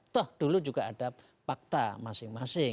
toh dulu juga ada fakta masing masing